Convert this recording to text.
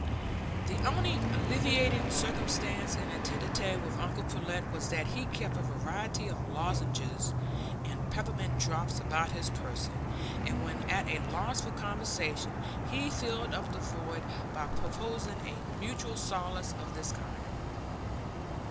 The only alleviating circumstance in a tête à tête with uncle Pullet was that he kept a variety of lozenges and peppermint drops about his person, and when at a loss for conversation, he filled up the void by proposing a mutual solace of this kind.